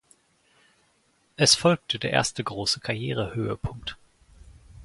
Es folgte der erste große Karrierehöhepunkt.